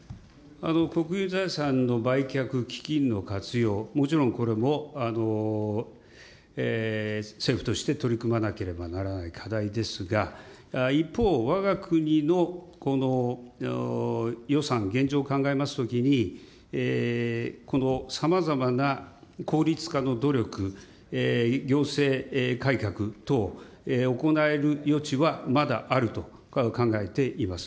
国有財産の売却、基金の活用、もちろんこれも政府として取り組まなければならない課題ですが、一方、わが国のこの予算、現状を考えますときに、このさまざまな効率化の努力、行政改革等、行える余地はまだあると考えています。